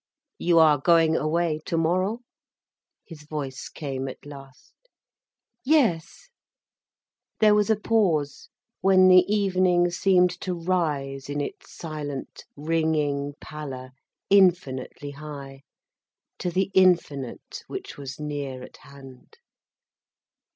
"You are going away tomorrow?" his voice came at last. "Yes." There was a pause, when the evening seemed to rise in its silent, ringing pallor infinitely high, to the infinite which was near at hand.